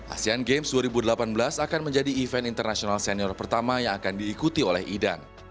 asean games dua ribu delapan belas akan menjadi event internasional senior pertama yang akan diikuti oleh idan